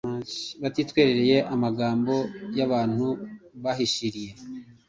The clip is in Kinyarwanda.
babitwerereye amagambo y’abantu bahishiriye